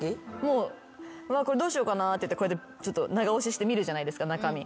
これどうしようかなってちょっと長押しして見るじゃないですか中身。